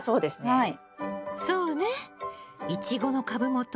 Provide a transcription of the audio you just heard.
はい。